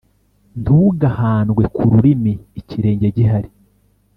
Ntugahandwe ku rurimi ikirenge gihari.